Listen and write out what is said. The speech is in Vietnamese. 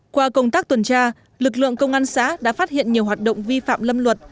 qua công tác tuần tra lực lượng công an xã đã phát hiện nhiều hoạt động vi phạm lâm luật